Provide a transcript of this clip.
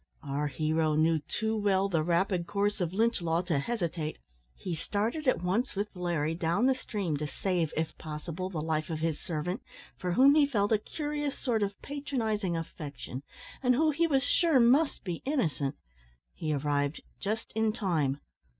Our hero knew too well the rapid course of Lynch law to hesitate. He started at once with Larry down the stream, to save, if possible, the life of his servant, for whom he felt a curious sort of patronising affection, and who he was sure must be innocent. He arrived just in time.